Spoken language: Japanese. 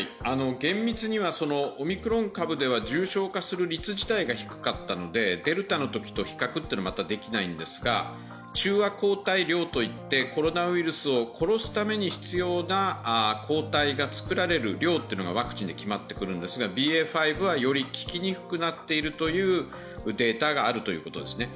厳密にはオミクロン株への効果は低かったので、デルタのときと比較はできないんですが、中和抗体量といって、コロナウイルスを殺すために必要な抗体が作られる量がワクチンで決まってくるんですが、ＢＡ．５はより効きにくくなっているデータがあるということですね。